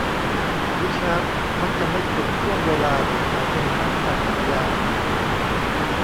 ริชาร์ดมักจะนึกถึงช่วงเวลาที่เขาเป็นนักปั่นจักรยาน